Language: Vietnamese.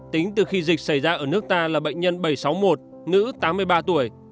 tính từ khi dịch xảy ra ở nước ta là bệnh nhân bảy trăm sáu mươi một nữ tám mươi ba tuổi